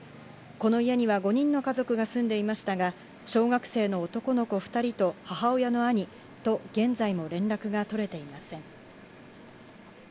この家には５人の家族が住んでいましたが、小学生の男の子２人と母親の兄と現在も連絡が取れていません。